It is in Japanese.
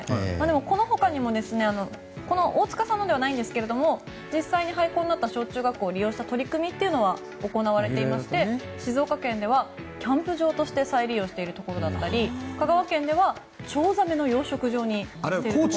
この他にも大塚さんのではないんですが実際に廃校になった小中学校を利用した取り組みは行われていまして静岡県ではキャンプ場として再利用しているところだったり香川県ではチョウザメの養殖場にしているという。